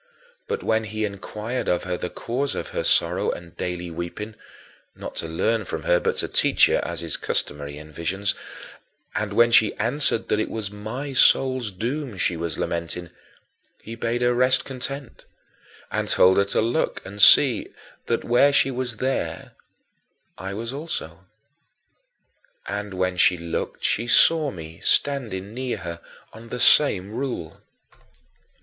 But when he inquired of her the cause of her sorrow and daily weeping (not to learn from her, but to teach her, as is customary in visions), and when she answered that it was my soul's doom she was lamenting, he bade her rest content and told her to look and see that where she was there I was also. And when she looked she saw me standing near her on the same rule.